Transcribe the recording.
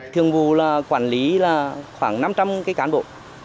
thường vụ là quản lý khoảng năm trăm linh cán bộ